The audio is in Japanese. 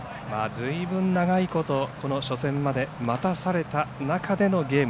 ずいぶん長いこと初戦まで待たされた中でのゲーム。